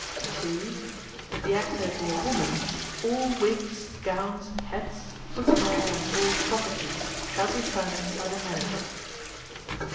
(2) If the Actor be a woman, all wigs, gowns, hats, footwear and all "properties" shall be furnished by the Manager.